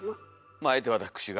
まああえて私が。